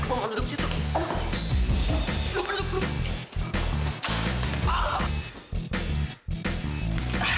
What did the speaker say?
eh duduk mana lo